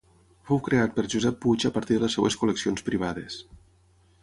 Fou creat per Josep Puig a partir de les seves col·leccions privades.